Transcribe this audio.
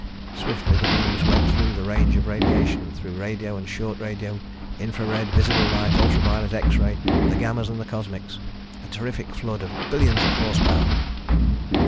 Swiftly the beams went through the range of radiation, through radio and short radio, infra red, visible light, ultra violet, X ray, the gammas and the cosmics a terrific flood of billions of horsepower.